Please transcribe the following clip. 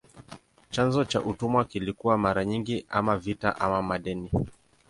Chanzo cha utumwa kilikuwa mara nyingi ama vita ama madeni.